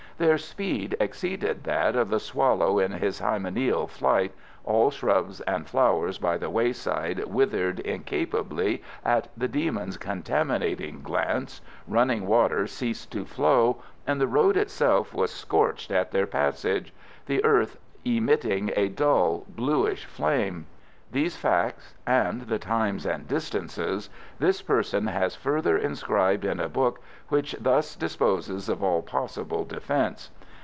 Their speed exceeded that of the swallow in his hymeneal flight, all shrubs and flowers by the wayside withered incapably at the demon's contaminating glance, running water ceased to flow, and the road itself was scorched at their passage, the earth emitting a dull bluish flame. These facts, and the times and the distances, this person has further inscribed in a book which thus disposes of all possible defence.